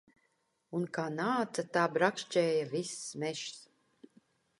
Un kā nāca, tā brakšķēja viss mežs.